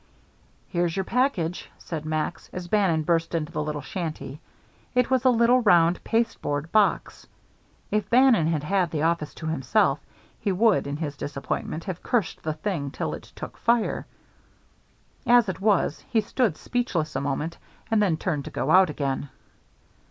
"Here's your package," said Max, as Bannon burst into the little shanty. It was a little, round, pasteboard box. If Bannon had had the office to himself, he would, in his disappointment, have cursed the thing till it took fire. As it was, he stood speechless a moment and then turned to go out again.